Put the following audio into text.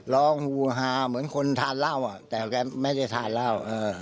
หูฮาเหมือนคนทานเหล้าแต่แกไม่ได้ทานเหล้า